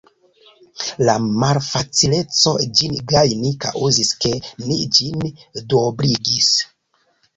La malfacileco ĝin gajni kaŭzis, ke ni ĝin duobligis.